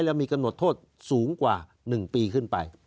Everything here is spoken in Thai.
แล้วมีกำหนดโทษสูงกว่า๑ปีขึ้นไป